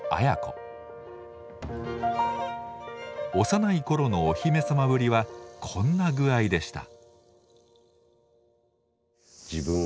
幼い頃のお姫様ぶりはこんな具合でした。